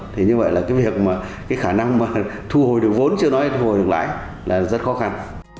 thì như vậy là cái khả năng thu hồi được vốn chưa nói thu hồi được lãi là rất khó khăn